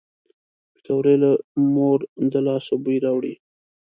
پکورې له مور د لاسو بوی راوړي